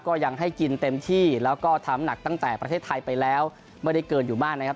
ก็ยังให้กินเต็มที่แล้วก็ทำหนักตั้งแต่ประเทศไทยไปแล้วไม่ได้เกินอยู่มากนะครับ